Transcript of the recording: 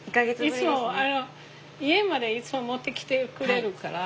いつも家までいつも持ってきてくれるから。